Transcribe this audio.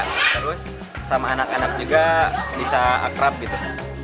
terus sama anak anak juga bisa akrab gitu